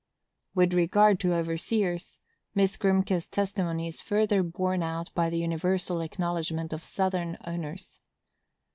With regard to overseers, Miss Grimké's testimony is further borne out by the universal acknowledgment of Southern owners.